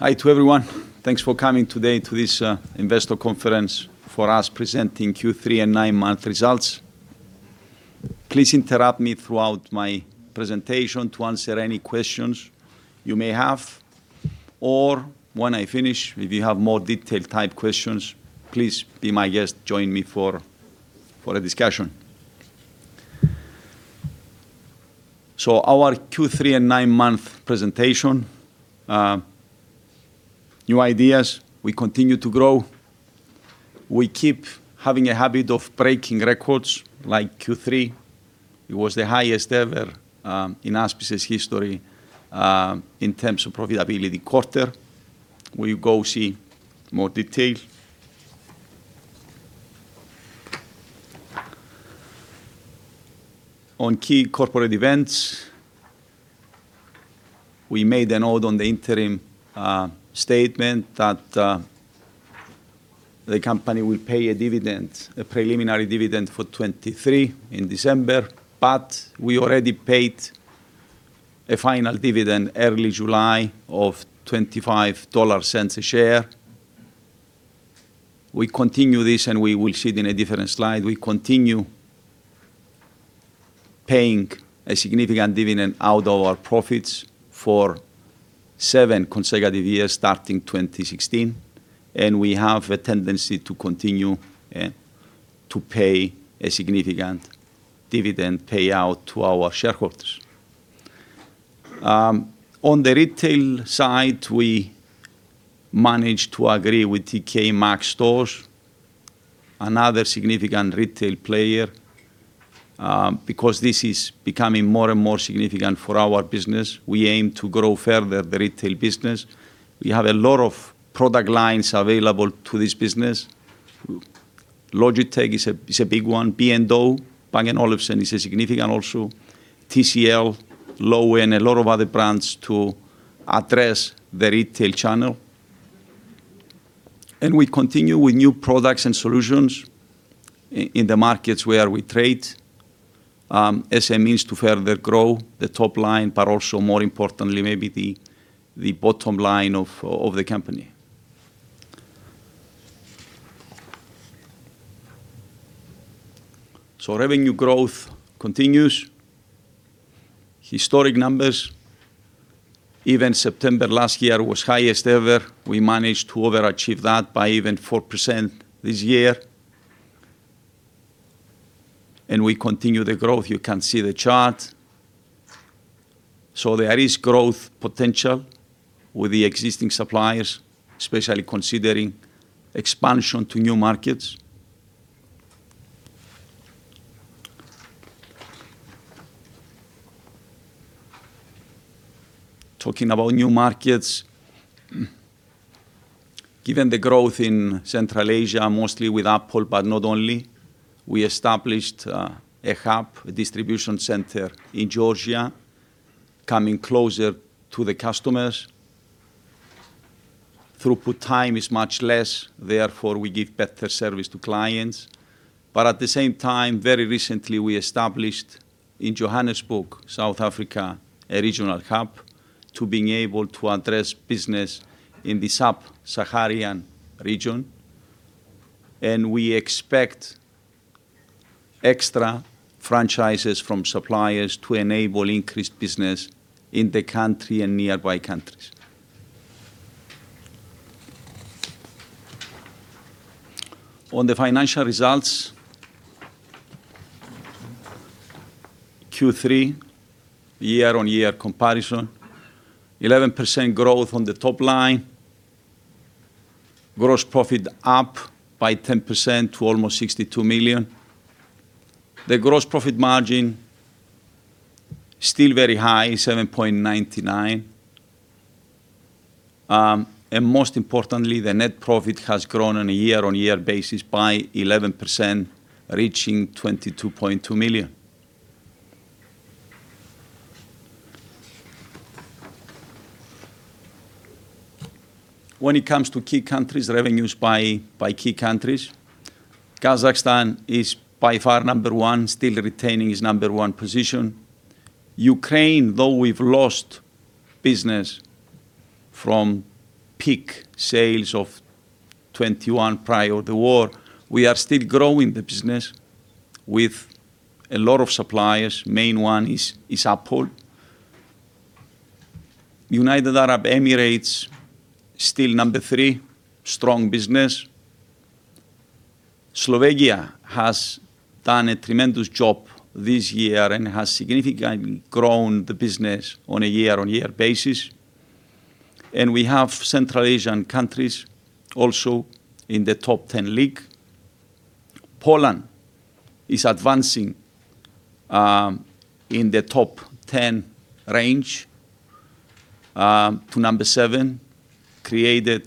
Hi to everyone. Thanks for coming today to this investor conference for us presenting Q3 nine-month results. Please interrupt me throughout my presentation to answer any questions you may have, or when I finish, if you have more detailed type questions, please be my guest, join me for a discussion. Our Q3 and nine-month presentation. News, we continue to grow. We keep having a habit of breaking records like Q3. It was the highest ever in ASBIS's history in terms of profitability quarter. We'll see more detail. On key corporate events, we made a note on the interim statement that the company will pay a dividend, a preliminary dividend for 2023 in December, but we already paid a final dividend early July of $0.25 a share. We continue this and we will see it in a different slide. We continue paying a significant dividend out of our profits for seven consecutive years, starting 2016, and we have a tendency to continue to pay a significant dividend payout to our shareholders. On the retail side, we managed to agree with TK Maxx stores, another significant retail player, because this is becoming more and more significant for our business. We aim to grow further the retail business. We have a lot of product lines available to this business. Logitech is a big one. B&O, Bang & Olufsen, is also significant. TCL, Loewe and a lot of other brands to address the retail channel. We continue with new products and solutions in the markets where we trade, as a means to further grow the top line, but also more importantly, maybe the bottom line of the company. Revenue growth continues. Historic numbers, even September last year was highest ever. We managed to overachieve that by even 4% this year. We continue the growth. You can see the chart. There is growth potential with the existing suppliers, especially considering expansion to new markets. Talking about new markets, given the growth in Central Asia, mostly with Apple, but not only, we established a hub, a distribution center in Georgia, coming closer to the customers. Throughput time is much less, therefore, we give better service to clients. At the same time, very recently, we established in Johannesburg, South Africa, a regional hub to being able to address business in the sub-Saharan region. We expect extra franchises from suppliers to enable increased business in the country and nearby countries. On the financial results, Q3 year-on-year comparison, 11% growth on the top line. Gross profit up by 10% to almost $62 million. The gross profit margin, still very high, 7.99%. Most importantly, the net profit has grown on a year-on-year basis by 11%, reaching $22.2 million. When it comes to key countries, revenues by key countries, Kazakhstan is by far number one, still retaining its number one position. Ukraine, though we've lost business from peak sales of 2021 prior to the war, we are still growing the business with a lot of suppliers. Main one is Apple. United Arab Emirates, still number three, strong business. Slovakia has done a tremendous job this year and has significantly grown the business on a year-on-year basis. We have Central Asian countries also in the top ten league. Poland is advancing in the top 10 range to number seven, created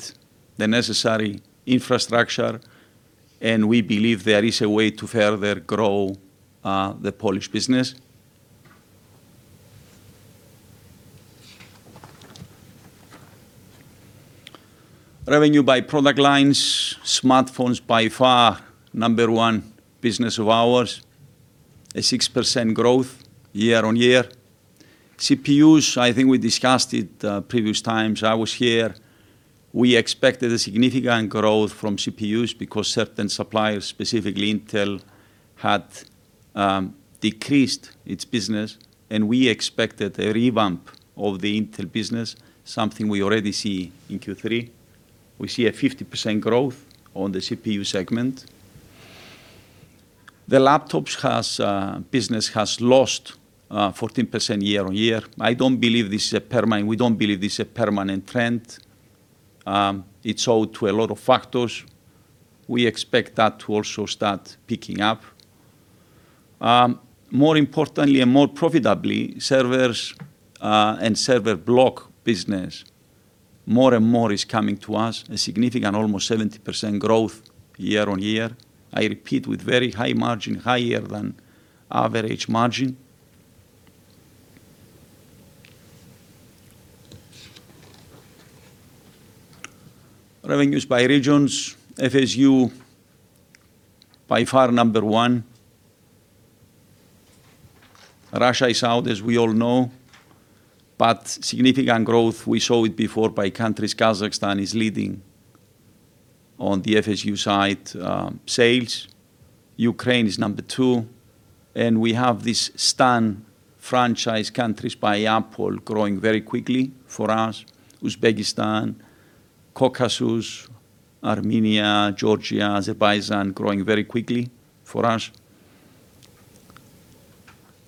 the necessary infrastructure, and we believe there is a way to further grow the Polish business. Revenue by product lines. Smartphones by far number one business of ours. A 6% growth year-on-year. CPUs, I think we discussed it previous times I was here. We expected a significant growth from CPUs because certain suppliers, specifically Intel, had decreased its business, and we expected a revamp of the Intel business, something we already see in Q3. We see a 50% growth on the CPU segment. The laptops business has lost 14% year-on-year. I don't believe this is a permanent trend. We don't believe this is a permanent trend. It's due to a lot of factors. We expect that to also start picking up. More importantly and more profitably, servers and server block business, more and more is coming to us, a significant almost 70% growth year-on-year. I repeat, with very high margin, higher than average margin. Revenues by regions. FSU, by far number one. Russia is out, as we all know, but significant growth, we saw it before by countries. Kazakhstan is leading on the FSU side, sales. Ukraine is number two, and we have this -stan franchise countries by Apple growing very quickly for us. Uzbekistan, Caucasus, Armenia, Georgia, Azerbaijan growing very quickly for us.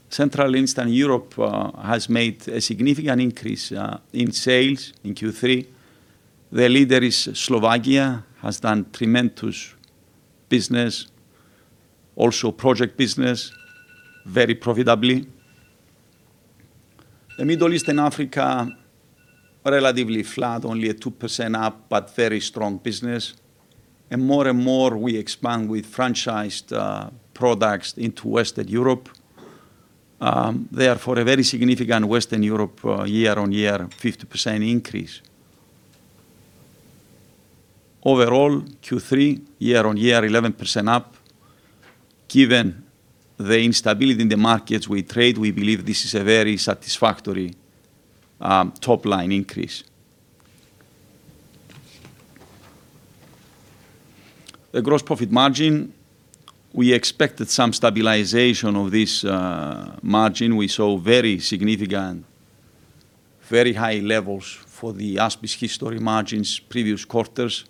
Central and Eastern Europe has made a significant increase in sales in Q3. The leader is Slovakia, has done tremendous business. Also project business, very profitably. The Middle East and Africa, relatively flat, only a 2% up, but very strong business. More and more we expand with franchised products into Western Europe. Therefore, a very significant Western Europe year-over-year 50% increase. Overall, Q3 year-over-year 11% up. Given the instability in the markets we trade, we believe this is a very satisfactory top-line increase. The gross profit margin, we expected some stabilization of this margin. We saw very significant, very high levels for the ASBIS history margins previous quarters.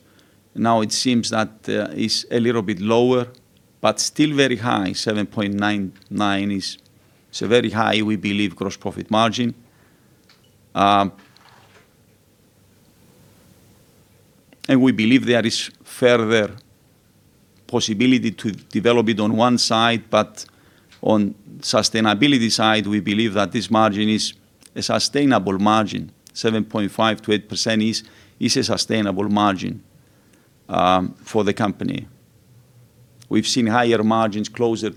Now it seems that it's a little bit lower, but still very high. 7.99% is, it's a very high, we believe, gross profit margin. And we believe there is further possibility to develop it on one side, but on sustainability side, we believe that this margin is a sustainable margin. 7.5%-8% is a sustainable margin for the company. We've seen higher margins closer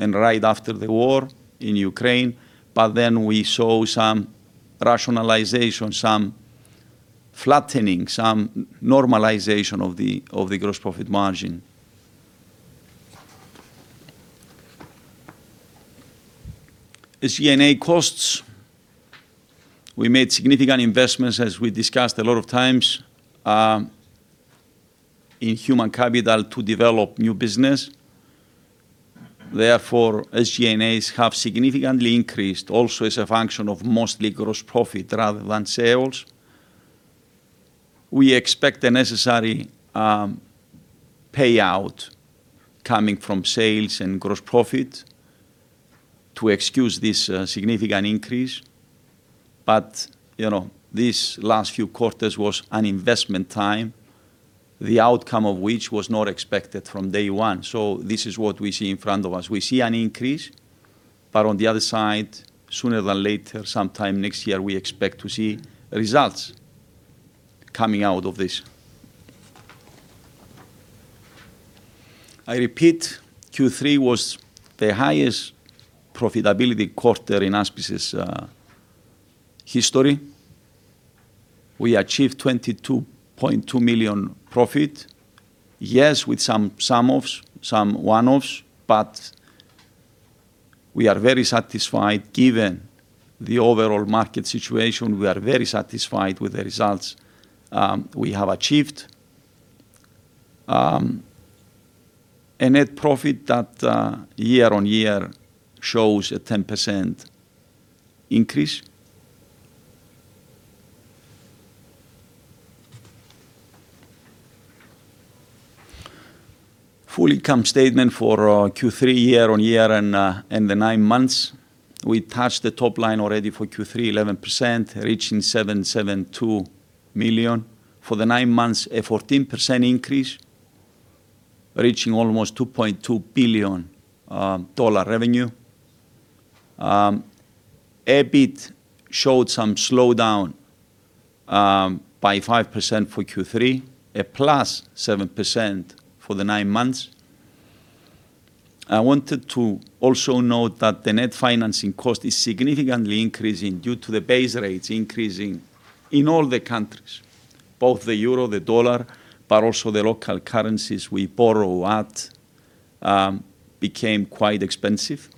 and right after the war in Ukraine, but then we saw some rationalization, some flattening, some normalization of the gross profit margin. The SG&A costs, we made significant investments, as we discussed a lot of times, in human capital to develop new business. Therefore, SG&As have significantly increased also as a function of mostly gross profit rather than sales. We expect the necessary payout coming from sales and gross profit to excuse this significant increase. You know, these last few quarters was an investment time, the outcome of which was not expected from day one. This is what we see in front of us. We see an increase, but on the other side, sooner than later, sometime next year, we expect to see results coming out of this. I repeat, Q3 was the highest profitability quarter in ASBIS's history. We achieved $22.2 million profit. Yes, with some one-offs, but we are very satisfied. Given the overall market situation, we are very satisfied with the results we have achieved. A net profit that year-over-year shows a 10% increase. Full income statement for Q3 year-over-year and the nine months. We touched the top line already for Q3, 11%, reaching $772 million. For the nine months, a 14% increase, reaching almost $2.2 billion dollar revenue. EBIT showed some slowdown by 5% for Q3, a +7% for the nine months. I wanted to also note that the net financing cost is significantly increasing due to the base rates increasing in all the countries. Both the euro, the dollar, but also the local currencies we borrow at, became quite expensive.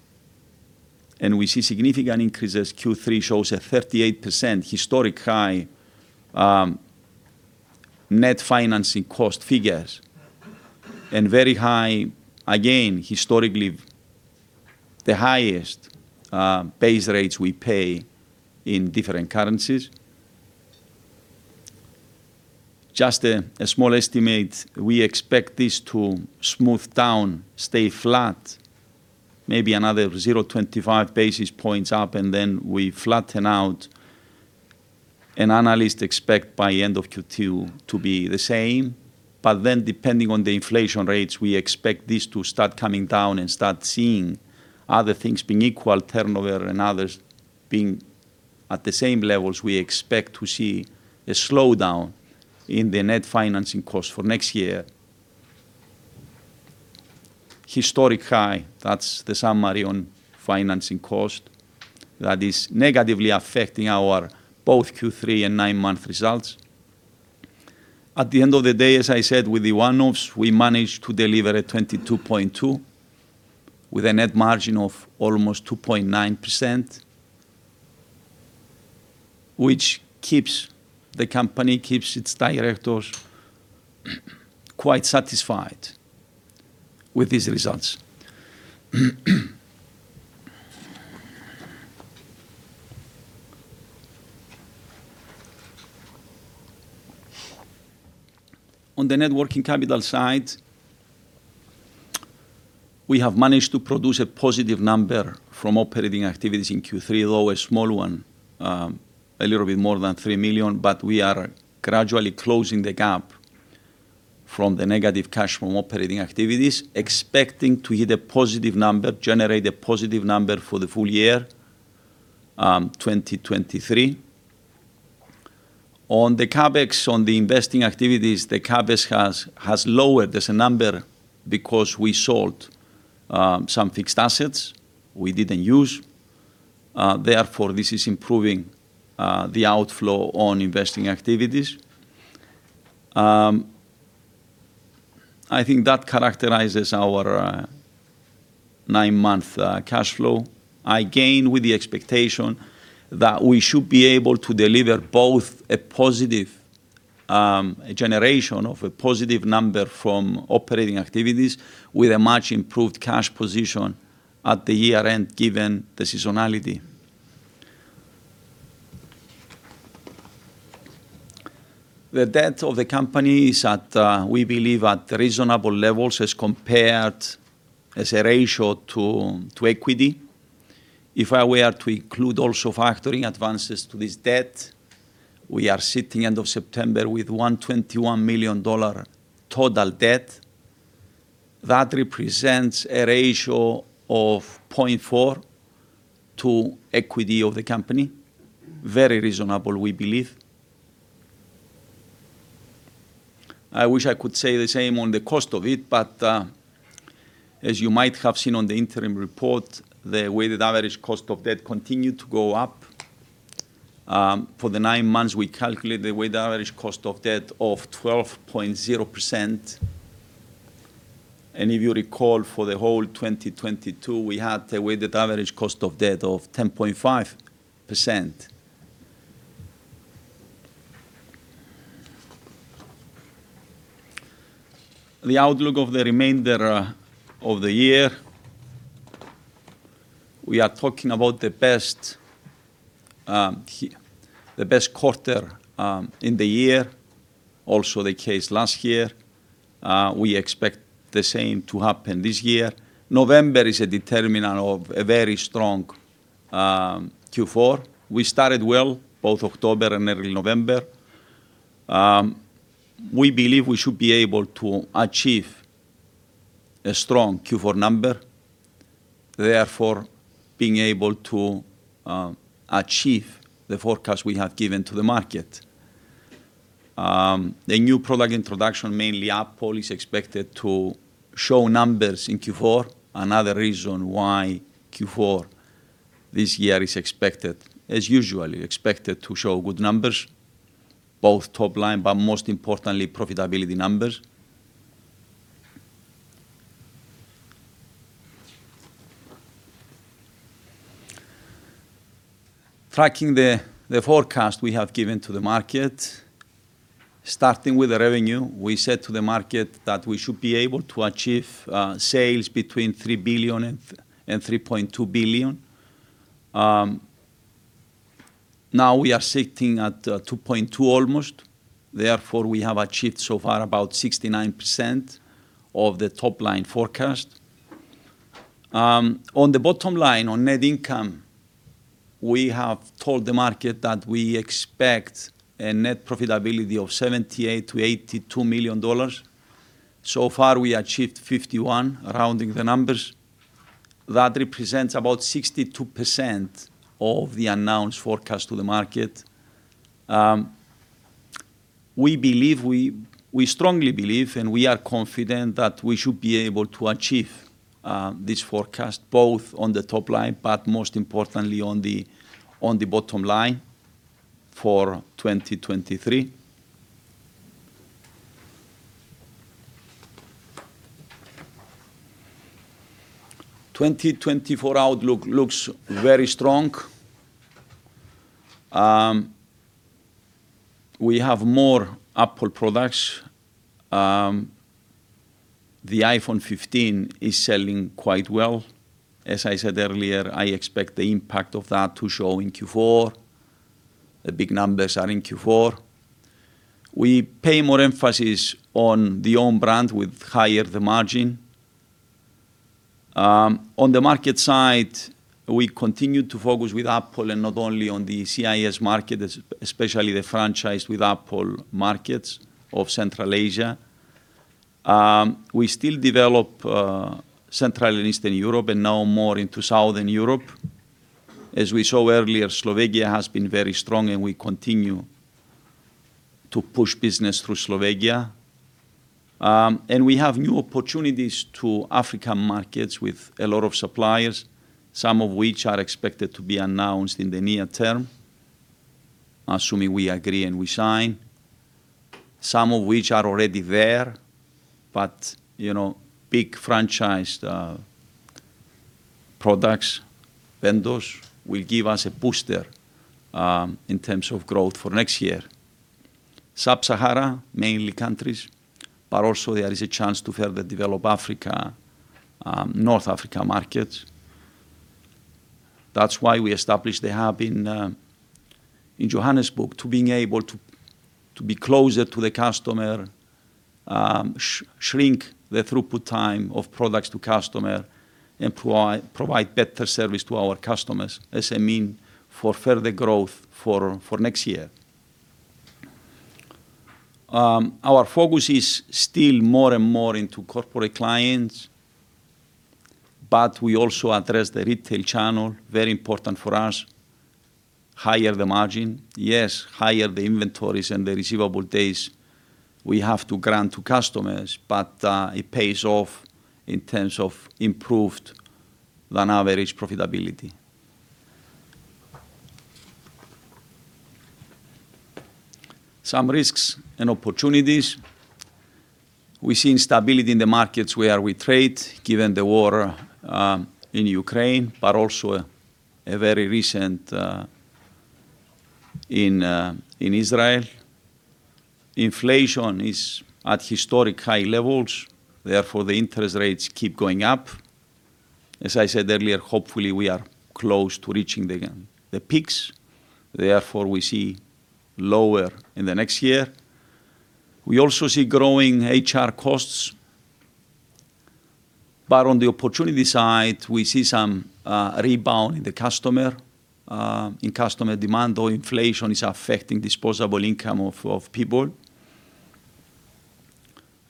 We see significant increases. Q3 shows a 38% historic high, net financing cost figures and very high, again, historically, the highest, base rates we pay in different currencies. Just a small estimate, we expect this to smooth down, stay flat, maybe another 25 basis points up, and then we flatten out. Analysts expect by end of Q2 to be the same. Then depending on the inflation rates, we expect this to start coming down and start seeing other things being equal, turnover and others being at the same levels, we expect to see a slowdown in the net financing costs for next year. Historic high, that's the summary on financing cost that is negatively affecting our both Q3 and nine-month results. At the end of the day, as I said, with the one-offs, we managed to deliver a $22.2 with a net margin of almost 2.9%, which keeps the company, keeps its directors quite satisfied with these results. On the net working capital side, we have managed to produce a positive number from operating activities in Q3, though a small one, a little bit more than $3 million, but we are gradually closing the gap from the negative cash from operating activities, expecting to hit a positive number, generate a positive number for the full year 2023. On the CapEx, on the investing activities, the CapEx has lowered this number because we sold some fixed assets we didn't use. Therefore, this is improving the outflow on investing activities. I think that characterizes our nine-month cash flow. Again, with the expectation that we should be able to deliver both a positive a generation of a positive number from operating activities with a much improved cash position at the year-end given the seasonality. The debt of the company is at we believe at reasonable levels as compared as a ratio to equity. If I were to include also factoring advances to this debt, we are sitting end of September with $121 million total debt. That represents a ratio of 0.4 to equity of the company. Very reasonable, we believe. I wish I could say the same on the cost of it, but as you might have seen on the interim report, the weighted average cost of debt continued to go up. For the nine months, we calculate the weighted average cost of debt of 12.0%. If you recall, for the whole 2022, we had a weighted average cost of debt of 10.5%. The outlook of the remainder of the year, we are talking about the best quarter in the year. Also the case last year. We expect the same to happen this year. November is a determinant of a very strong Q4. We started well, both October and early November. We believe we should be able to achieve a strong Q4 number, therefore being able to achieve the forecast we have given to the market. The new product introduction, mainly Apple, is expected to show numbers in Q4. Another reason why Q4 this year is expected, as usually expected to show good numbers, both top line, but most importantly, profitability numbers. Tracking the forecast we have given to the market. Starting with the revenue, we said to the market that we should be able to achieve sales between $3 billion and $3.2 billion. Now we are sitting at $2.2 billion almost. Therefore, we have achieved so far about 69% of the top-line forecast. On the bottom line, on net income, we have told the market that we expect a net profitability of $78 million-$82 million. So far, we achieved $51 billion, rounding the numbers. That represents about 62% of the announced forecast to the market. We strongly believe, and we are confident that we should be able to achieve this forecast both on the top line, but most importantly on the bottom line for 2023. 2024 outlook looks very strong. We have more Apple products. The iPhone 15 is selling quite well. As I said earlier, I expect the impact of that to show in Q4. The big numbers are in Q4. We pay more emphasis on the own brand with higher margin. On the market side, we continue to focus with Apple and not only on the CIS market, especially the franchise with Apple markets of Central Asia. We still develop Central and Eastern Europe and now more into Southern Europe. As we saw earlier, Slovakia has been very strong and we continue to push business through Slovakia. We have new opportunities to African markets with a lot of suppliers, some of which are expected to be announced in the near term, assuming we agree and we sign, some of which are already there. You know, big franchised products, vendors will give us a booster in terms of growth for next year. Sub-Saharan mainly countries, but also there is a chance to further develop Africa, North Africa markets. That's why we established the hub in Johannesburg to be closer to the customer, shrink the throughput time of products to customer and provide better service to our customers as a means for further growth for next year. Our focus is still more and more into corporate clients, but we also address the retail channel, very important for us. Higher the margin. Yes, higher the inventories and the receivable days we have to grant to customers, but it pays off in terms of above average profitability. Some risks and opportunities. We're seeing stability in the markets where we trade given the war in Ukraine, but also a very recent in Israel. Inflation is at historic high levels, therefore the interest rates keep going up. As I said earlier, hopefully we are close to reaching the peaks. Therefore, we see lower in the next year. We also see growing HR costs. On the opportunity side, we see some rebound in customer demand, though inflation is affecting disposable income of people.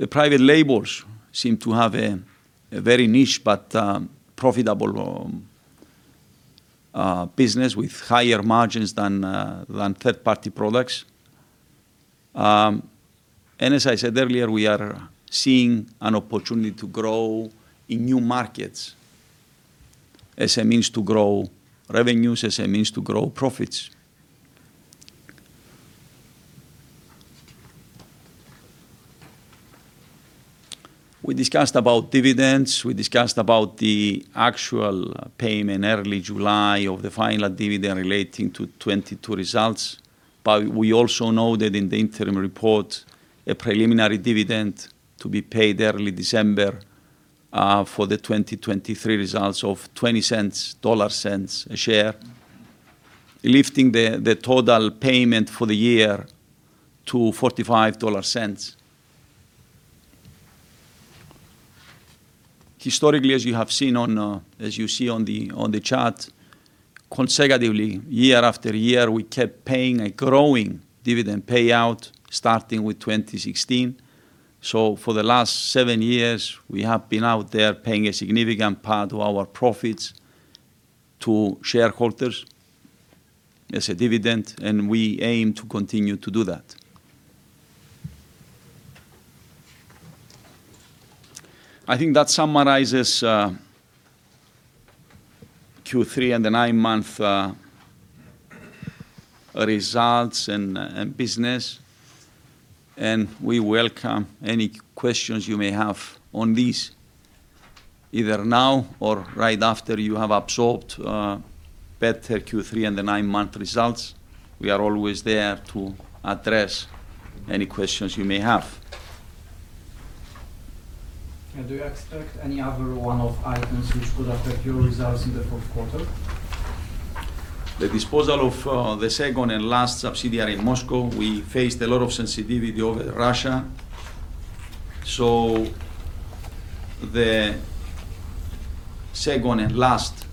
The private labels seem to have a very niche but profitable business with higher margins than third-party products. As I said earlier, we are seeing an opportunity to grow in new markets as a means to grow revenues, as a means to grow profits. We discussed about dividends. We discussed about the actual payment early July of the final dividend relating to 2022 results. We also noted in the interim report a preliminary dividend to be paid early December for the 2023 results of $0.20 a share, lifting the total payment for the year to $0.45. Historically, as you see on the chart, consecutively year after year, we kept paying a growing dividend payout starting with 2016. For the last seven years, we have been out there paying a significant part of our profits to shareholders as a dividend, and we aim to continue to do that. I think that summarizes Q3 and the nine-month results and business, and we welcome any questions you may have on these either now or right after you have absorbed better Q3 and the nine-month results. We are always there to address any questions you may have. Do you expect any other one-off items which could affect your results in the fourth quarter? The disposal of the second and last subsidiary in Moscow, we faced a lot of sensitivity over Russia. The second and last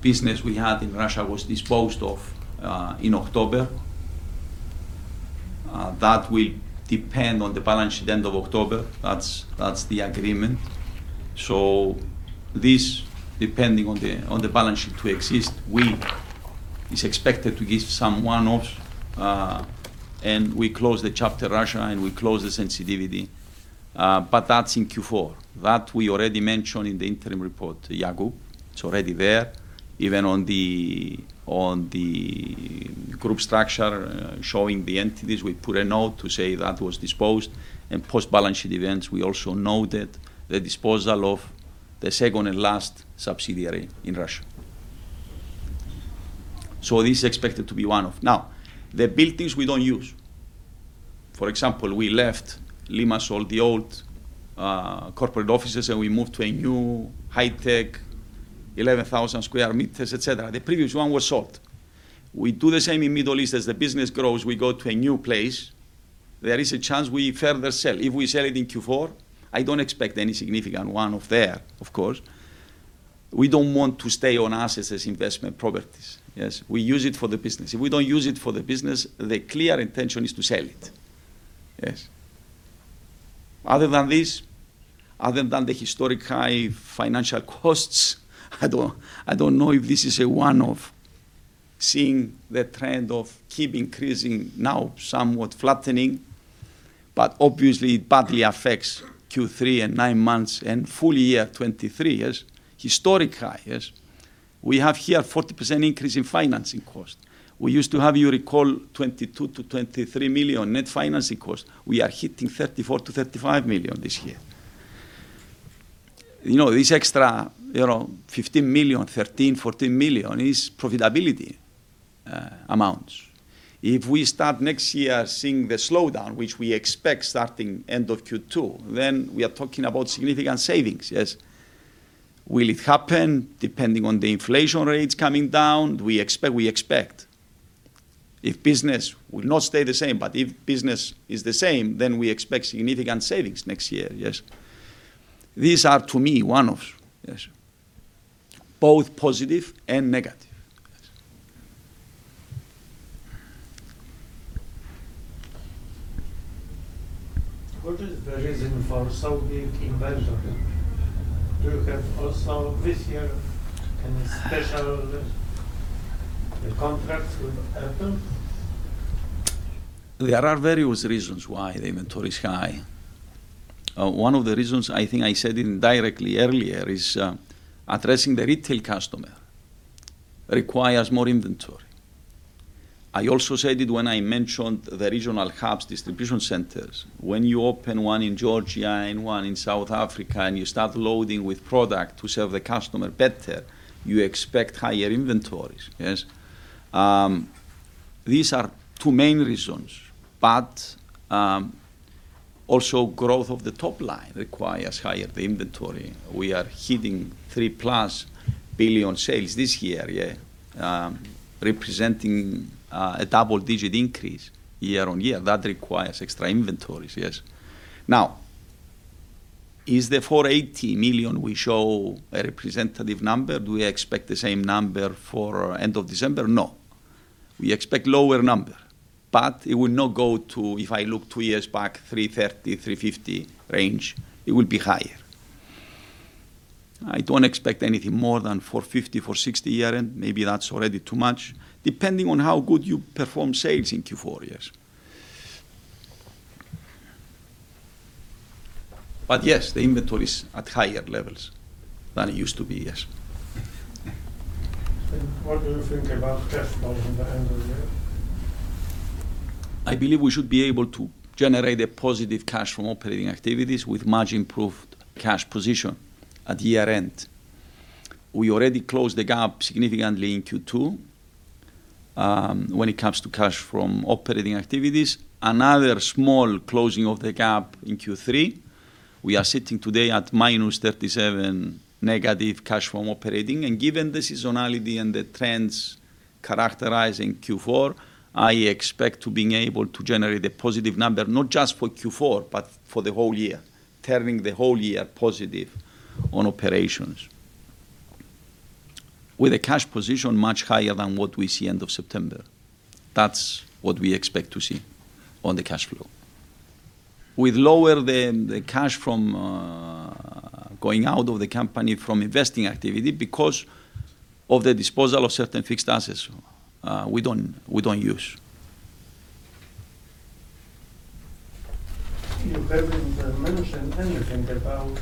business we had in Russia was disposed of in October. That will depend on the balance sheet end of October. That's the agreement. This depending on the balance sheet to exist, we, it's expected to give some one-offs, and we close the chapter Russia, and we close the sensitivity, but that's in Q4. That we already mentioned in the interim report, Iago. It's already there. Even on the group structure showing the entities, we put a note to say that was disposed. In post-balance sheet events, we also noted the disposal of the second and last subsidiary in Russia. This is expected to be one of the buildings we don't use. For example, we left Limassol, the old corporate offices, and we moved to a new high-tech 11,000 sq m, et cetera. The previous one was sold. We do the same in Middle East. As the business grows, we go to a new place. There is a chance we further sell. If we sell it in Q4, I don't expect any significant one-off there, of course. We don't want to stay on assets as investment properties. Yes. We use it for the business. If we don't use it for the business, the clear intention is to sell it. Yes. Other than this, other than the historic high financial costs, I don't know if this is a one-off, seeing the trend of keep increasing, now somewhat flattening, but obviously it badly affects Q3 and nine months and full year 2023. Yes. Historic high. Yes. We have here 40% increase in financing cost. We used to have, you recall, $22 million-$23 million net financing cost. We are hitting $34 million-$35 million this year. You know, this extra, you know, $15 million, $13 million-$14 million is profitability amounts. If we start next year seeing the slowdown, which we expect starting end of Q2, then we are talking about significant savings. Yes. Will it happen? Depending on the inflation rates coming down, we expect if business will not stay the same, but if business is the same, then we expect significant savings next year. Yes. These are, to me, one-offs. Yes. Both positive and negative. What is the reason for so big inventory? Do you have also this year any special contracts with Apple? There are various reasons why the inventory is high. One of the reasons, I think I said indirectly earlier, is addressing the retail customer requires more inventory. I also said it when I mentioned the regional hubs, distribution centers. When you open one in Georgia and one in South Africa, and you start loading with product to serve the customer better, you expect higher inventories. These are two main reasons, but also growth of the top line requires higher inventory. We are hitting +$3 billion sales this year. Representing a double-digit increase year-over-year. That requires extra inventories. Now, is the $480 million we show a representative number? Do we expect the same number for end of December? No. We expect lower number, but it will not go to, if I look two years back, $330 million-$350 million range. It will be higher. I don't expect anything more than $450 million-$460 million year-end. Maybe that's already too much, depending on how good you perform sales in Q4. Yes. But yes, the inventory is at higher levels than it used to be. Yes. What do you think about cash flow from the end of the year? I believe we should be able to generate a positive cash from operating activities with much improved cash position at year-end. We already closed the gap significantly in Q2 when it comes to cash from operating activities. Another small closing of the gap in Q3. We are sitting today at -$37 negative cash from operating, and given the seasonality and the trends characterizing Q4, I expect to being able to generate a positive number, not just for Q4, but for the whole year, turning the whole year positive on operations with a cash position much higher than what we see end of September. That's what we expect to see on the cash flow. With lower the cash from going out of the company from investing activity because of the disposal of certain fixed assets, we don't use. You haven't mentioned anything about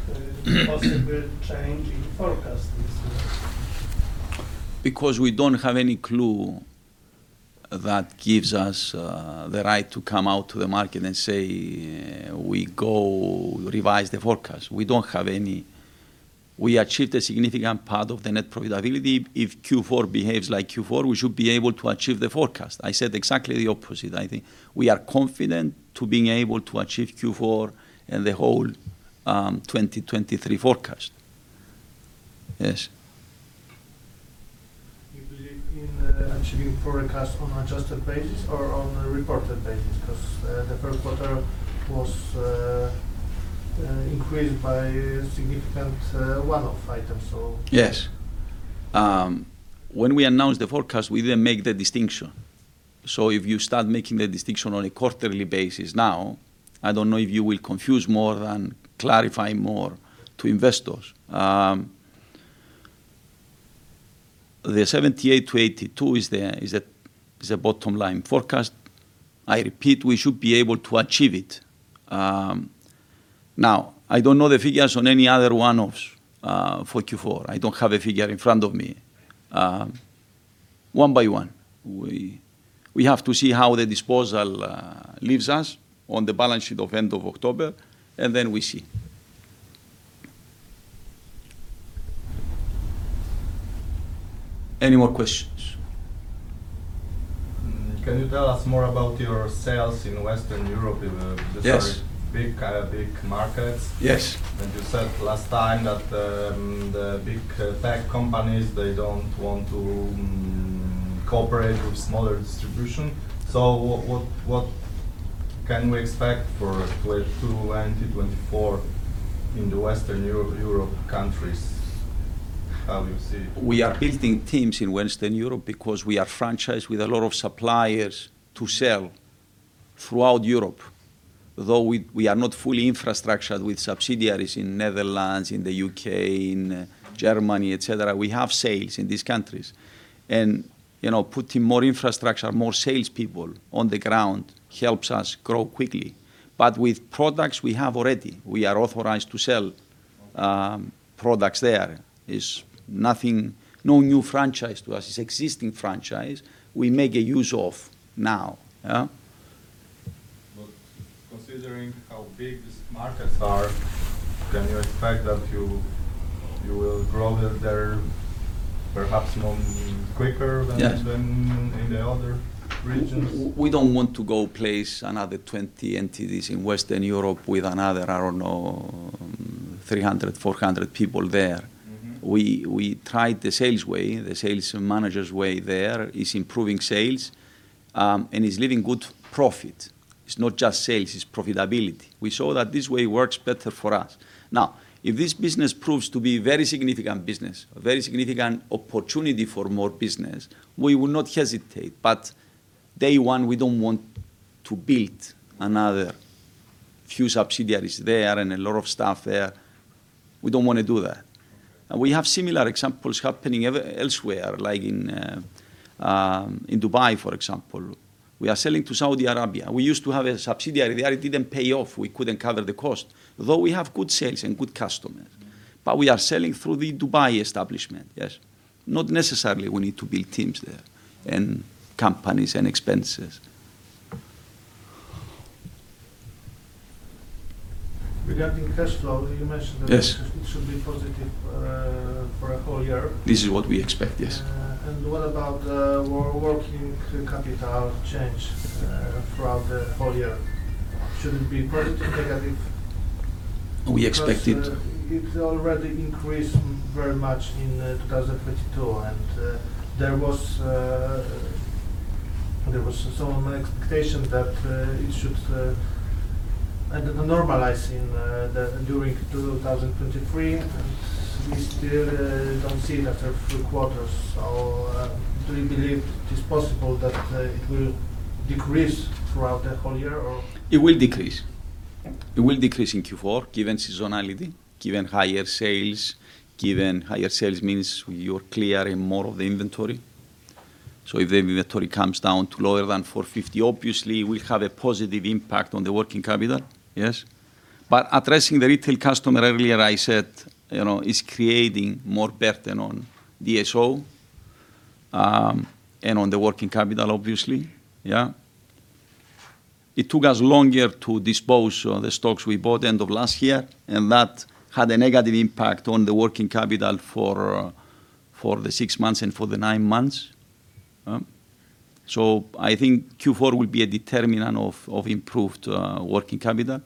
possible change in forecast this year. Because we don't have any clue that gives us the right to come out to the market and say we're going to revise the forecast. We achieved a significant part of the net profitability. If Q4 behaves like Q4, we should be able to achieve the forecast. I said exactly the opposite, I think. We are confident in being able to achieve Q4 and the whole 2023 forecast. Yes. You believe in achieving forecast on adjusted basis or on a reported basis? 'Cause the first quarter was increased by a significant one-off item, so? Yes. When we announced the forecast, we didn't make the distinction. If you start making the distinction on a quarterly basis now, I don't know if you will confuse more than clarifying more to investors. The $78-$82 is a bottom line forecast. I repeat, we should be able to achieve it. Now, I don't know the figures on any other one-offs for Q4. I don't have a figure in front of me. One by one, we have to see how the disposal leaves us on the balance sheet of end of October, and then we see. Any more questions? Can you tell us more about your sales in Western Europe? Yes. Just very big markets? Yes. You said last time that the big tech companies, they don't want to cooperate with smaller distribution. What can we expect for 2022 and 2024 in the Western Europe countries? How you see it? We are building teams in Western Europe because we are franchised with a lot of suppliers to sell throughout Europe. Though we are not fully infrastructured with subsidiaries in Netherlands, in the U.K., in Germany, et cetera, we have sales in these countries. You know, putting more infrastructure, more sales people on the ground helps us grow quickly. With products we have already, we are authorized to sell products there. It's nothing. No new franchise to us. It's existing franchise we make a use of now. Yeah? Considering how big these markets are, can you expect that you will grow there perhaps more quicker? Yeah. Than in the other regions? We don't want to go and place another 20 entities in Western Europe with another, I don't know, 300, 400 people there. We tried the sales way, the sales manager's way there. It's improving sales, and it's leaving good profit. It's not just sales, it's profitability. We saw that this way works better for us. Now, if this business proves to be very significant business, a very significant opportunity for more business, we will not hesitate. Day one, we don't want to build another few subsidiaries there and a lot of staff there. We don't wanna do that. We have similar examples happening elsewhere, like in Dubai, for example. We are selling to Saudi Arabia. We used to have a subsidiary there, it didn't pay off. We couldn't cover the cost. Though we have good sales and good customers. We are selling through the Dubai establishment. Yes. Not necessarily we need to build teams there and companies and expenses. Regarding cash flow, you mentioned that? Yes. It should be positive for a whole year? This is what we expect, yes. What about working capital change throughout the whole year? Should it be positive, negative? We expect it. Because it already increased very much in 2022, and there was some expectation that it should end up normalizing during 2023, and we still don't see it after three quarters. Do you believe it is possible that it will decrease throughout the whole year, or? It will decrease. It will decrease in Q4, given seasonality, given higher sales. Given higher sales means you're clearing more of the inventory. If the inventory comes down to lower than 450, obviously will have a positive impact on the working capital. Yes. Addressing the retail customer, earlier I said, you know, it's creating more burden on DSO, and on the working capital, obviously. Yeah. It took us longer to dispose of the stocks we bought end of last year, and that had a negative impact on the working capital for the six months and for the nine months. I think Q4 will be a determinant of improved working capital,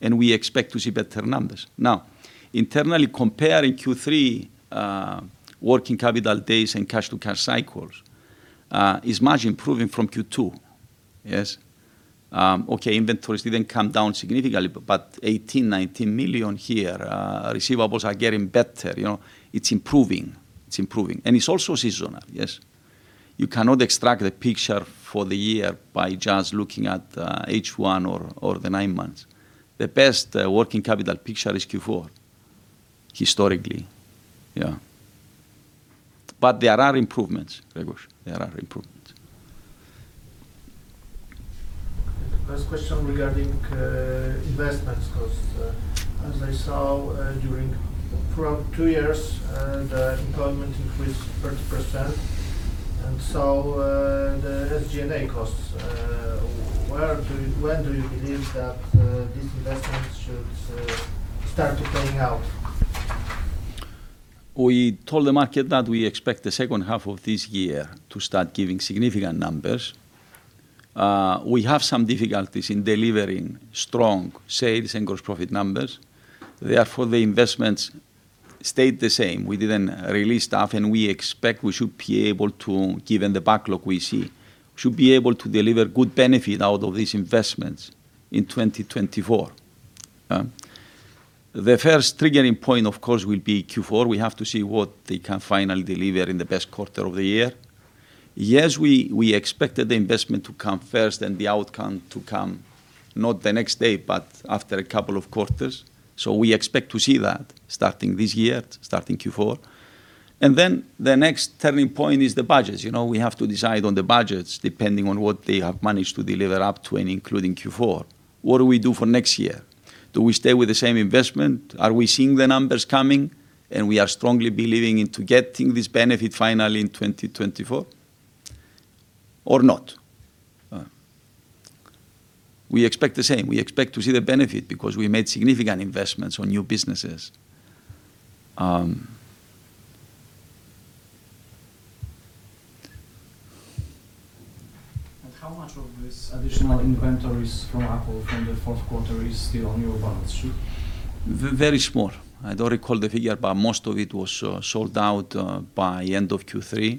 and we expect to see better numbers. Now, internally comparing Q3, working capital days and cash-to-cash cycles, is much improving from Q2. Yes. Okay, inventories didn't come down significantly, but $18 million-$19 million here, receivables are getting better, you know. It's improving. It's also seasonal. Yes. You cannot extract the picture for the year by just looking at H1 or the nine months. The best working capital picture is Q4, historically. Yeah. There are improvements, Grzegorz. There are improvements. Okay. The last question regarding investments costs. As I saw, throughout two years, the employment increased 30%. The SG&A costs, when do you believe that these investments should start to paying out? We told the market that we expect the second half of this year to start giving significant numbers. We have some difficulties in delivering strong sales and gross profit numbers, therefore the investments stayed the same. We didn't release staff, and we expect we should be able to, given the backlog we see, should be able to deliver good benefit out of these investments in 2024. The first triggering point, of course, will be Q4. We have to see what they can finally deliver in the best quarter of the year. Yes, we expected the investment to come first and the outcome to come not the next day, but after a couple of quarters. We expect to see that starting this year, starting Q4. The next turning point is the budgets. You know, we have to decide on the budgets depending on what they have managed to deliver up to and including Q4. What do we do for next year? Do we stay with the same investment? Are we seeing the numbers coming, and we are strongly believing into getting this benefit finally in 2024, or not? We expect the same. We expect to see the benefit because we made significant investments on new businesses. How much of this additional inventories from Apple from the fourth quarter is still on your balance sheet? Very small. I don't recall the figure, but most of it was sold out by end of Q3,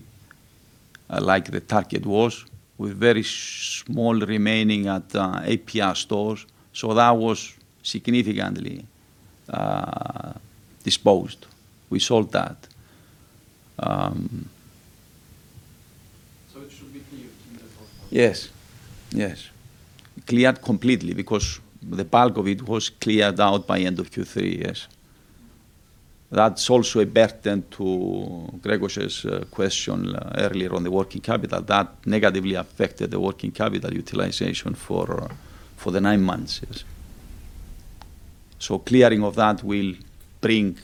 like the target was, with very small remaining at APR stores. That was significantly disposed. We sold that. It should be cleared in the fourth quarter? Yes. Yes. Cleared completely because the bulk of it was cleared out by end of Q3. Yes. That's also a burden to Grzegorz's question earlier on the working capital. That negatively affected the working capital utilization for the nine months. Yes. Clearing of that will bring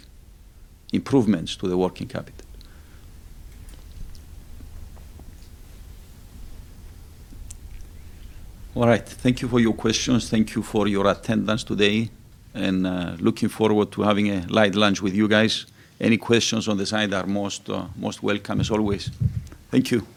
improvements to the working capital. All right. Thank you for your questions. Thank you for your attendance today and looking forward to having a light lunch with you guys. Any questions on the side are most welcome as always. Thank you.